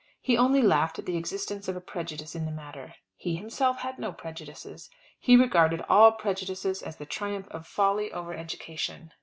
He only laughed at the existence of a prejudice in the matter. He himself had no prejudices. He regarded all prejudices as the triumph of folly over education.